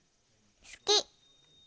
好き。